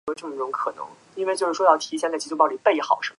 归属旅顺基地建制。